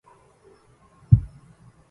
سنتعلم أغنية جديدة اليوم.